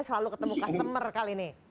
selalu ketemu customer kali ini